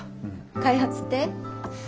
開発って？